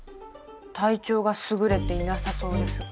体調がすぐれていなさそうですが。